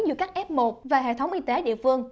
giữa các f một và hệ thống y tế địa phương